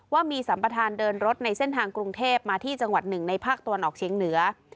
ว่ามีสัมประธานเดินรถในเส้นทางกรุงเทพมาที่จังหวัดหนึ่งในภาคตะวันออกเชียงเหนือ